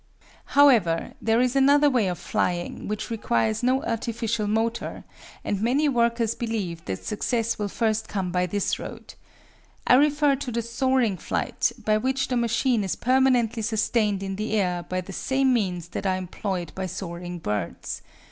However, there is another way of flying which requires no artificial motor, and many workers believe that success will first come by this road. I refer to the soaring flight, by which the machine is permanently sustained in the air by the same means that are employed by soaring birds.